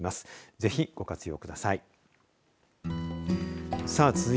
ぜひ、ご活用ください。